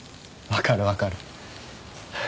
分かる分かる。